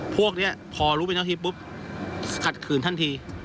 พวกเนี้ยพอรู้ไปเท่าที่ปุ๊บกัดคืนทันที